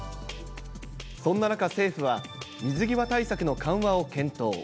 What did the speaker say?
そんな中、政府は水際対策の緩和を検討。